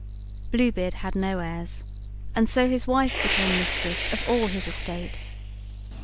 Blue Beard had no heirs, and so his wife became mistress of all his estate.